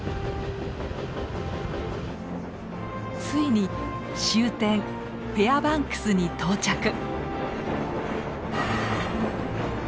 ついに終点フェアバンクスに到着。